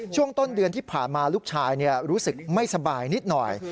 ช่วงต้นเดือนที่ผ่านมาลูกชายรู้สึกไม่สบายนิดหน่อย